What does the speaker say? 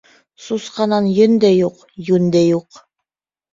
Сусҡанан йөн дә юҡ, йүн дә юҡ.